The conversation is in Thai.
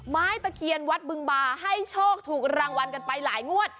ตะเคียนวัดบึงบาให้โชคถูกรางวัลกันไปหลายงวด